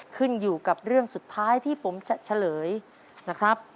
ขึ้นอยู่กับเรื่องสุดท้ายที่ผมจะเฉลยนะครับ